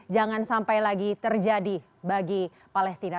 jangan sampai lagi terjadi bagi palestina